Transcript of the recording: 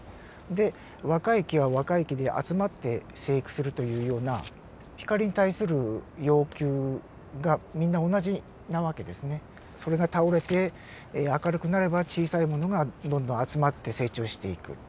で若い木は若い木で集まって生育するというような光に対する要求がみんな同じな訳ですね。それが倒れて明るくなれば小さいものがどんどん集まって成長していく。